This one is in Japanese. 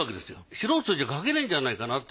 素人じゃ描けないんじゃないかなと。